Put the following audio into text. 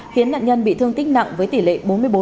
khiến nạn nhân bị thương tích nặng với tỷ lệ bốn mươi bốn